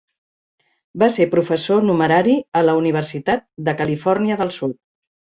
Va ser professor numerari a la Universitat de Califòrnia del Sud.